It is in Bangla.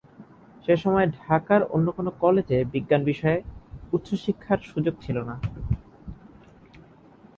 সেসময় ঢাকার অন্য কোনো কলেজে বিজ্ঞান বিষয়ে উচ্চশিক্ষার সুযোগ ছিলনা।